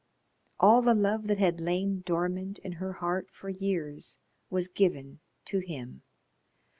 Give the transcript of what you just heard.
All the love that had lain dormant in her heart for years was given to him.